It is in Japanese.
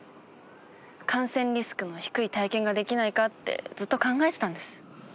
感染リスクの低い体験ができないかってずっと考えてたんです。